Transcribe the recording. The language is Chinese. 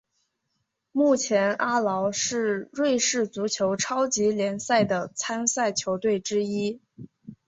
目前阿劳是瑞士足球超级联赛的参赛球队之一。